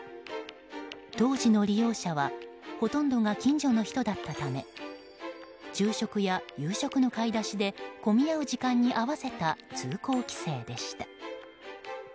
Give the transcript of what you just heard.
当時の利用者はほとんどが近所の人だたっため昼食や夕食の買い出しで混み合う時間に合わせた通行規制でした。